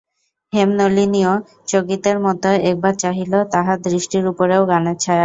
হেমনলিনীও চকিতের মতো একবার চাহিল, তাহার দৃষ্টির উপরেও গানের ছায়া।